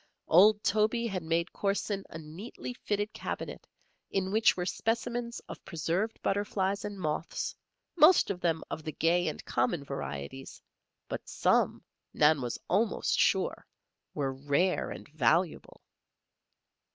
Old Toby had made Corson a neatly fitted cabinet in which were specimens of preserved butterflies and moths, most of them of the gay and common varieties; but some, Nan was almost sure, were rare and valuable.